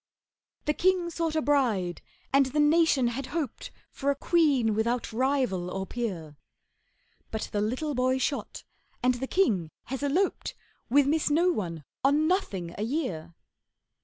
The king sought a bride, and the nation had hoped For a queen without rival or peer. But the little boy shot, and the king has eloped With Miss No one on Nothing a year.